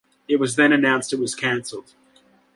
It was then announced it was cancelled.